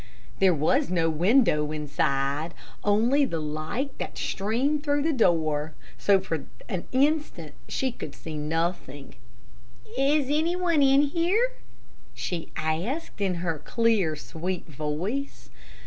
There was no window inside, only the light that streamed through the door, so that for an instant she could see nothing. "Is any one here?" she asked, in her clear, sweet voice.